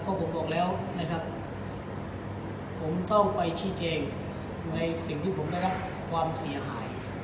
เพราะผมบอกแล้วนะครับผมต้องไปชี้แจงในสิ่งที่ผมได้รับความเสียหาย